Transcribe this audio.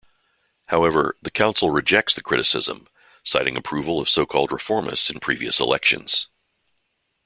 However, the council rejects the criticism, citing approval of so-called reformists in previous elections.